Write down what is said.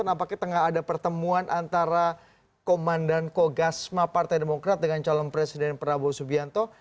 nampaknya tengah ada pertemuan antara komandan kogasma partai demokrat dengan calon presiden prabowo subianto